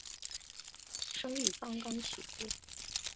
生意刚刚起步